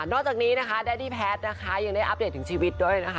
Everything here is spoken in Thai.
จากนี้นะคะแดดี้แพทย์นะคะยังได้อัปเดตถึงชีวิตด้วยนะคะ